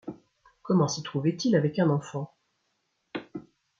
Comment s’y trouvait-il avec un enfant ?